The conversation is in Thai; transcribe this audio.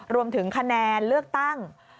รวมถึงคะแนนเลือกตั้ง